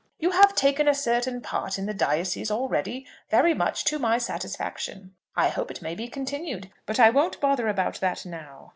You have taken a certain part in the diocese already, very much to my satisfaction. I hope it may be continued; but I won't bother about that now.